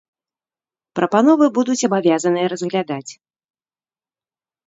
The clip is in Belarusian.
Прапановы будуць абавязаныя разглядаць.